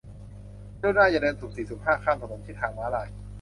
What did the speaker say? กรุณาอย่าเดินสุ่มสี่สุ่มห้า ข้ามถนนที่ทางม้าลาย